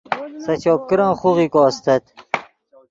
سے چوپ کرن خوغیکو استت